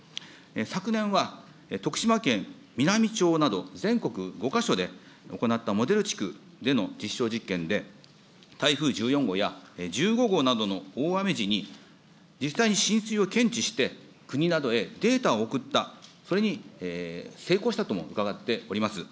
昨年は徳島県みなみ町など、全国５か所で行ったモデル地区での実証実験で、台風１４号や１５号などの大雨時に、実際に浸水を検知して、国などへデータを送った、それに成功したとも伺っております。